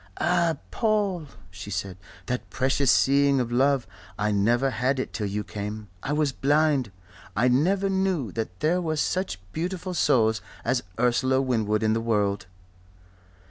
"Ah, Paul," she said. "That 'precious seeing' of love I never had it till you came. I was blind. I never knew that there were such beautiful souls as Ursula Winwood in the world."